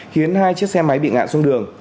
khiến hai chiếc xe máy bị ngạn xuống đường